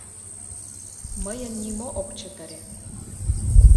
Мыйын нимо ок чытыре.